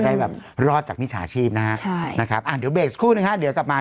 ความสุดท้องแนวร่วมเยอะมาก